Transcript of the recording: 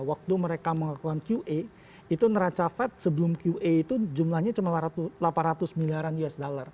waktu mereka melakukan qa itu neraca fed sebelum qa itu jumlahnya cuma delapan ratus miliaran usd